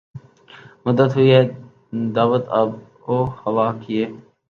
مدت ہوئی ہے دعوت آب و ہوا کیے